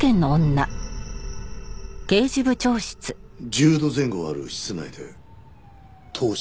１０度前後はある室内で凍死？